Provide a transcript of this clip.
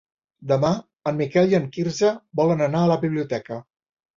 Demà en Miquel i en Quirze volen anar a la biblioteca.